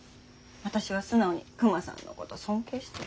私は素直にクマさんのこと尊敬してる。